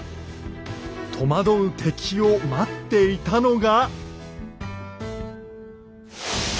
戸惑う敵を待っていたのが。